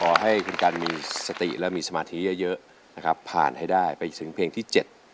ขอให้คุณกันมีสติและมีสมาธิเยอะนะครับผ่านให้ได้ไปถึงเพลงที่๗